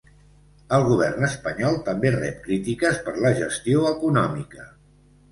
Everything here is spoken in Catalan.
El govern espanyol també rep crítiques per la gestió econòmica.